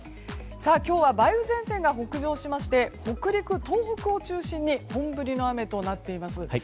今日は梅雨前線が北上しまして北陸、東北を中心に本降りの雨となっています。